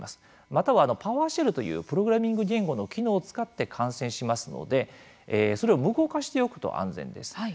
または「パワーシェル」というプログラミング言語の機能を使って感染しますのでそれを無効化しておくと安全です。